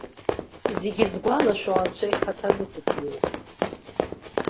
Зегьы згәалашәо анцәа ихаҭа заҵәык иоуп.